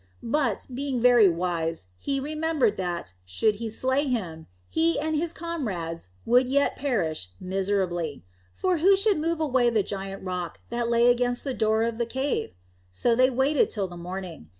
But, being very wise, he remembered that, should he slay him, he and his comrades would yet perish miserably. For who should move away the great rock that lay against the door of the cave? So they waited till the morning.